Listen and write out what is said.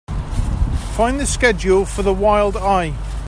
Find the schedule for The Wild Eye.